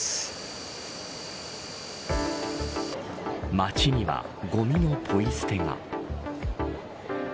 街にはごみのぽい捨てが。